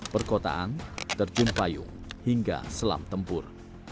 perkotaan tercumpayu hingga selam tempur